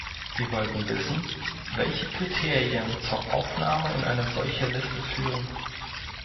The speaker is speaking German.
Wir wollten wissen, welche Kriterien zur Aufnahme in eine solche Liste führen.